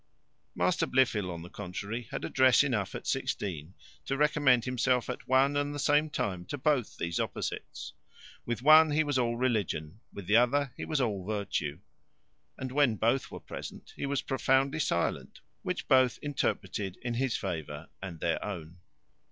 Master Blifil, on the contrary, had address enough at sixteen to recommend himself at one and the same time to both these opposites. With one he was all religion, with the other he was all virtue. And when both were present, he was profoundly silent, which both interpreted in his favour and in their own.